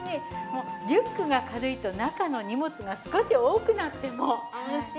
もうリュックが軽いと中の荷物が少し多くなっても安心なんですよね。